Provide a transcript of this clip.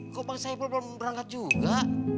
kok bang saiful belum berangkat juga